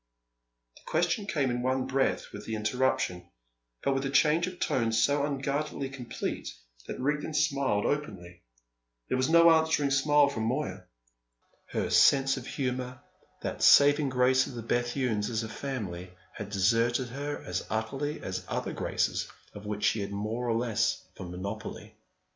The question came in one breath with the interruption, but with a change of tone so unguardedly complete that Rigden smiled openly. There was no answering smile from Moya. Her sense of humour, that saving grace of the Bethunes as a family, had deserted her as utterly as other graces of which she had more or less of a monopoly.